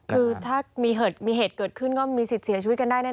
คือถ้ามีเหตุเกิดขึ้นก็มีสิทธิ์เสียชีวิตกันได้แน่